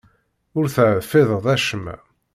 Ur terfideḍ acemma.